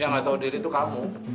yang gak tahu diri itu kamu